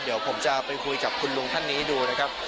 เดี๋ยวผมจะไปคุยกับคุณลุงท่านนี้ดูนะครับ